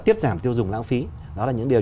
tiết giảm tiêu dùng lãng phí đó là những điều